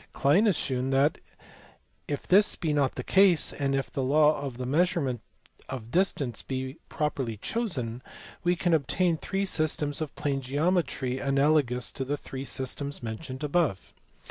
Klein has shewn that, if this be not the case and if the law of the measurement of distance be properly chosen, we can obtain three systems of plane geometry analogous to the three systems mentioned above.